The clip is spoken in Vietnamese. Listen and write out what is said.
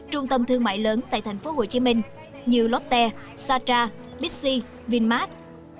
trung tâm thương mại lớn tại tp hcm như lotte sacha bixi vinmart